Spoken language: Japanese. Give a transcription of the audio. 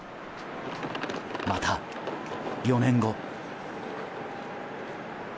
また４年後。